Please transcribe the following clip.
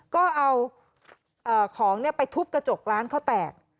ก็เอาของไปทุบกระจกร้านเขาแตก